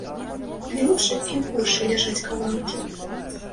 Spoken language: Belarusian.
Лепшы і горшы ляжаць кавалкі.